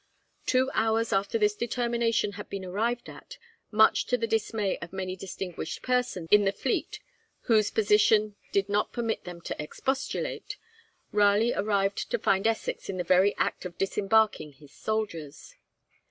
Two hours after this determination had been arrived at, much to the dismay of many distinguished persons in the fleet whose position did not permit them to expostulate, Raleigh arrived to find Essex in the very act of disembarking his soldiers.